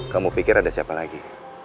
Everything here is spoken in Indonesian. kamu pikir ada siapa lagi